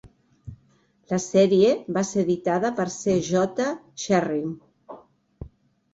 La sèrie va ser editada per C. J. Cherryh.